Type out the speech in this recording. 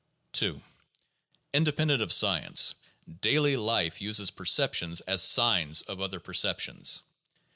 (2) Independent of science, daily life uses perceptions as signs of other perceptions.